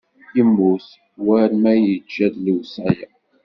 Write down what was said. Yemmut war ma yejja-d lewṣaya.